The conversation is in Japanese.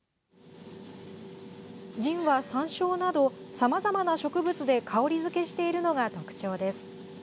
ジンは、さんしょうなどさまざまな植物で香りづけしているのが特徴です。